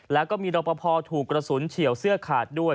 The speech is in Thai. แล้วก็มีรอปภถูกกระสุนเฉียวเสื้อขาดด้วย